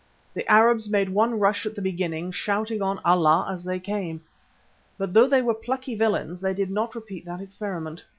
The Arabs made one rush at the beginning, shouting on Allah as they came. But though they were plucky villains they did not repeat that experiment.